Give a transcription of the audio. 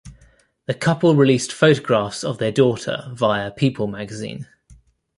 The couple released photographs of their daughter via People Magazine.